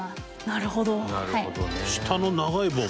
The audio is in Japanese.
なるほどね。